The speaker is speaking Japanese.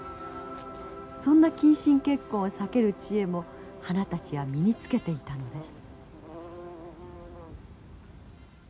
そんな近親結婚を避ける知恵も花たちは身につけていたのです。